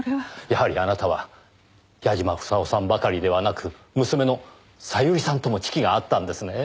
やはりあなたは矢嶋房夫さんばかりではなく娘の小百合さんとも知己があったんですね。